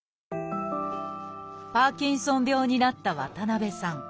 パーキンソン病になった渡辺さん。